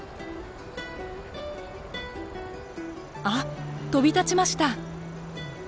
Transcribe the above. あっ飛び立ちました！